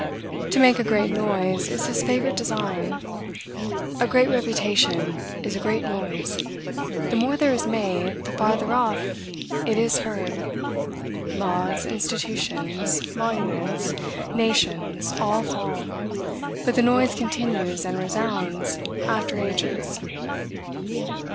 To make a great noise is his favorite design. "A great reputation is a great noise; the more there is made, the farther off it is heard. Laws, institutions, monuments, nations, all fall; but the noise continues, and resounds in after ages."